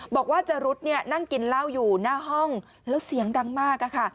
บอกว่าจรุดนั่งกินเหล้าอยู่หน้าห้องแล้วเสียงดังมาก